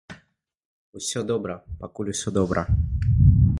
Усё добра, пакуль усё добра.